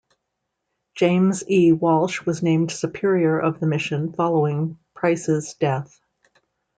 James E Walsh was named Superior of the mission following Price's death.